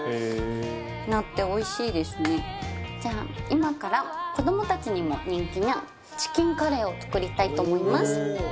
じゃあ今から子どもたちにも人気なチキンカレーを作りたいと思います。